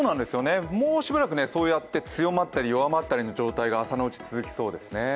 もうしばらく強まったり弱まったりという状態が朝のうち続きそうですね。